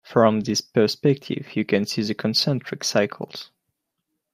From this perspective you can see the concentric circles.